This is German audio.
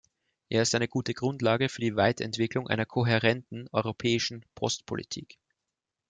Er ist eine gute Grundlage für die Weiterentwicklung einer kohärenten europäischen Postpolitik.